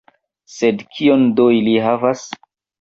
Sed kion do ili havas?